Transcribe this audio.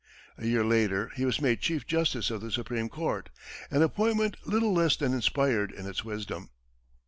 A year later he was made chief justice of the Supreme Court an appointment little less than inspired in its wisdom.